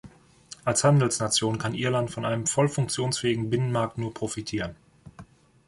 Als Handelsnation kann Irland von einem voll funktionsfähigen Binnenmarkt nur profitieren.